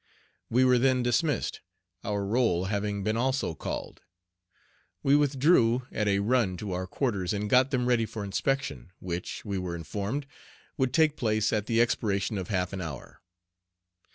We were then dismissed, our roll having been also called. We withdrew at a run to our quarters and got them ready for inspection, which, we were informed, would take place at the expiration of half an hour.